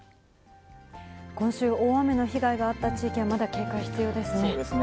今週、大雨の被害があった地域はまだ警戒必要ですね。